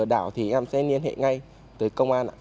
chị em sẽ liên hệ ngay tới công an